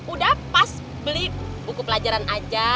udah pas beli buku pelajaran aja